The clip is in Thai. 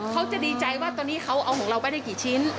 เขาจะดีใจว่าตอนนี้เขาเอาของเราไปได้กี่ชิ้น